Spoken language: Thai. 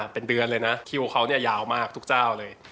เป็นเดือนเลยนะคิวเขาเนี่ยยาวมากทุกเจ้าเลย